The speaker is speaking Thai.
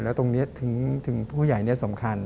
แล้วตรงนี้ถึงผู้ใหญ่สำคัญ